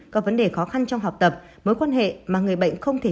có vấn đề khó khăn trong học tập mối quan hệ mà người bệnh không thể